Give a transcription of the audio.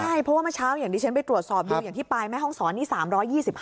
ใช่เพราะว่าเมื่อเช้าอย่างที่ฉันไปตรวจสอบดูอย่างที่ปลายแม่ห้องศรนี่๓๒๕